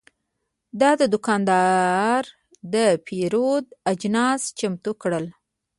دا دوکاندار د پیرود اجناس چمتو کړل.